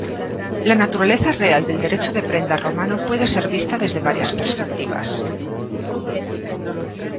La naturaleza real del derecho de prenda romano puede ser vista desde varias perspectivas.